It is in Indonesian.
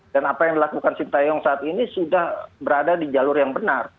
dan apa yang dilakukan sintayong saat ini sudah berada di jalur yang benar